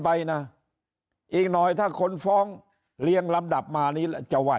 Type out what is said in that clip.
ไปนะอีกหน่อยถ้าคนฟ้องเรียงลำดับมานี้จะไห้